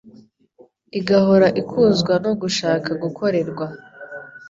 igahora ikuzwa no gushaka gukorerwa.